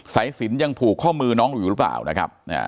สายสินยังผูกข้อมือน้องอยู่หรือเปล่านะครับ